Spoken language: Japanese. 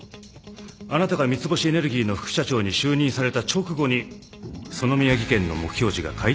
あなたが三ツ星エネルギーの副社長に就任された直後にＳＯＮＯＭＩＹＡ技研の目標値が改定されました。